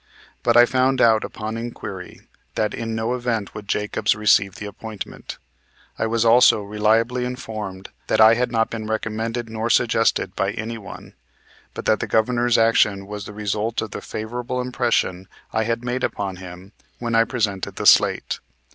But I found out upon inquiry that in no event would Jacobs receive the appointment. I was also reliably informed that I had not been recommended nor suggested by any one, but that the Governor's action was the result of the favorable impression I had made upon him when I presented the slate.